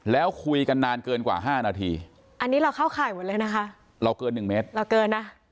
แล้วคุยกันนานเกินกว่า๕นาทีอันนี้เราเข้าข่าวเลยนะเราเกิน๑เมตร